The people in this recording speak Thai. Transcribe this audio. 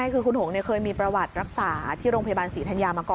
คือคุณหงษเคยมีประวัติรักษาที่โรงพยาบาลศรีธัญญามาก่อน